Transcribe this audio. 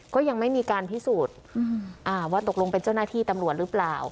ก็ยังไม่มีการพิสูจน์ว่าตกลงเป็นเจ้าหน้าที่ตำรวจหรือเปล่า